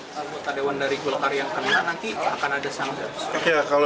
kalau tadewan dari golkar yang kemarin nanti akan ada sanggup